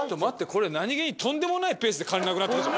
これ何げにとんでもないペースで金なくなってくぞ。